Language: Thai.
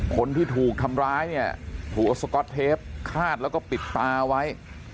คนที่ถูกทำร้ายเนี่ยถูกเอาสก๊อตเทปคาดแล้วก็ปิดตาไว้